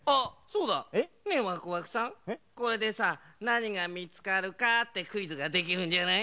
これでさなにがみつかるか？ってクイズができるんじゃない？